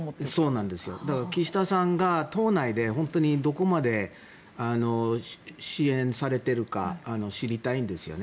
岸田さんが党内でどこまで支援されているか知りたいんですよね。